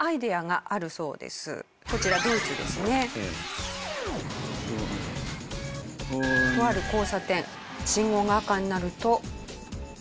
とある交差点信号が赤になると。